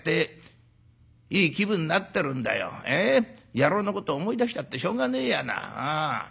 野郎のこと思い出したってしょうがねえやな。